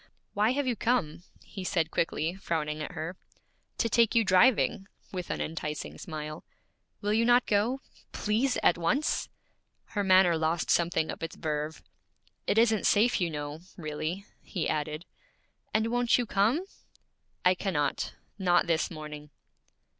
'Why have you come?' he said quickly, frowning at her. 'To take you driving,' with an enticing smile. 'Will you not go? Please, at once?' Her manner lost something of its verve. 'It isn't safe, you know, really,' he added. 'And won't you come?' 'I cannot; not this morning.'